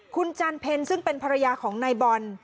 คุณจันเพ็ญซึ่งเป็นภรรยาของนายบอล